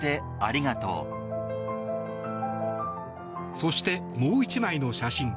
そして、もう１枚の写真。